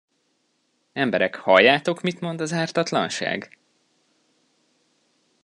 Emberek, halljátok, mit mond az ártatlanság?